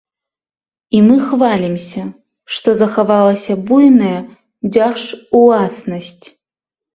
І мы хвалімся, што захавалася буйная дзяржуласнасць.